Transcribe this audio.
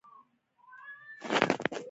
احمد چې دنده پيدا کړه؛ بڼه يې واوښته.